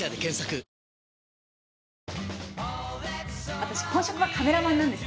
私、本職はカメラマンなんです。